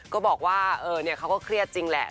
ก็บอกว่าเขาก็เครียดจริงแหละ